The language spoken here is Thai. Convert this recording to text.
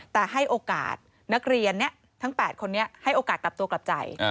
แต่ให้โอกาสนักเรียนทั้ง๘คนนี้ให้โอกาสกลับตัวกลับใจ